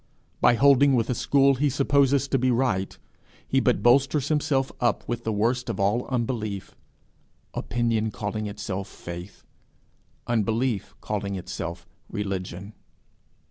By holding with a school he supposes to be right, he but bolsters himself up with the worst of all unbelief opinion calling itself faith unbelief calling itself religion.